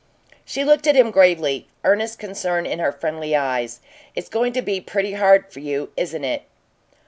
She looked at him gravely, earnest concern in her friendly eyes. "It's going to be pretty hard for you, isn't it?"